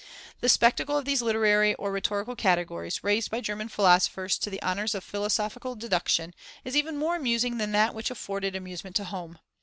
The spectacle of these literary or rhetorical categories, raised by German philosophers to the honours of philosophical deduction, is even more amusing than that which afforded amusement to Home.